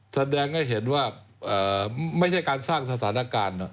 แสดงให้เห็นว่าไม่ใช่การสร้างสถานการณ์